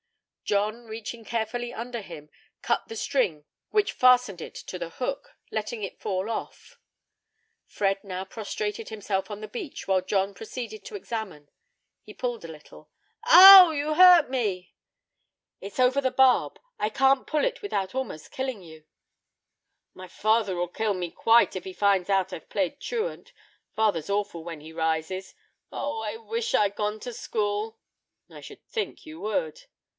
John, reaching carefully under him, cut the string which fastened it to the hook, letting it fall off. Fred now prostrated himself on the beach, while John proceeded to examine; he pulled a little. "O w w! you hurt me!" "It's over the barb; I can't pull it out without almost killing you." "My father'll kill me quite, if he finds out I've played truant; father's awful when he rises. O, I wish I'd gone to school." "I should think you would."